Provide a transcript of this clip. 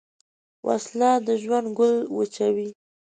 وسله د ژوند ګل وچوي